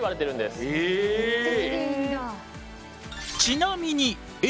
ちなみにＡ。